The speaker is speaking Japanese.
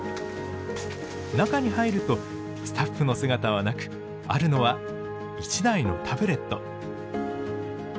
中に入るとスタッフの姿はなくあるのは１台のタブレット。